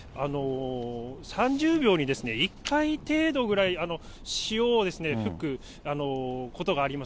３０秒に１回程度くらい、潮を吹くことがあります。